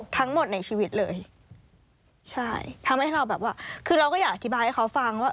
ทั้งหมดในชีวิตเลยใช่ทำให้เราแบบว่าคือเราก็อยากอธิบายให้เขาฟังว่า